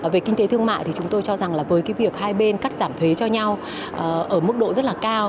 về kinh tế thương mại thì chúng tôi cho rằng là với cái việc hai bên cắt giảm thuế cho nhau ở mức độ rất là cao